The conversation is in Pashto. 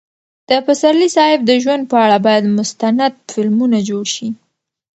د پسرلي صاحب د ژوند په اړه باید مستند فلمونه جوړ شي.